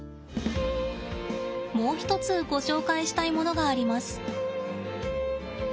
もう一つご紹介したいものがあります。